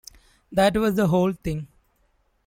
That was the whole thing.